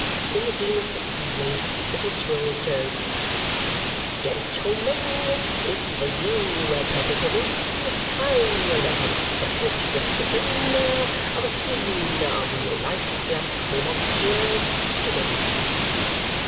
In the zenith of the evening, Little Swills says, "Gentlemen, if you'll permit me, I'll attempt a short description of a scene of real life that came off here to day."